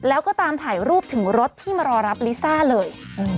แล้วก็ตามถ่ายรูปถึงรถที่มารอรับลิซ่าเลย